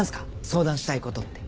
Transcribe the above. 相談したいことって。